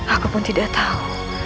aku pun tidak tahu